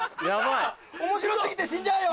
面白過ぎて死んじゃうよ！